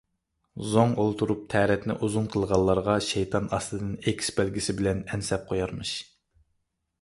زوڭ ئولتۇرۇپ تەرەتنى ئۇزۇن قىلغانلارغا شەيتان ئاستىدىن ئېكىس بەلگىسى بىلەن ئەن سەپ قويارمىش.